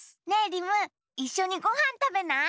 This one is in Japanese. リムいっしょにごはんたべない？